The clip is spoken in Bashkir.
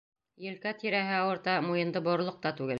Елкә тирәһе ауырта, муйынды борорлоҡ та түгел.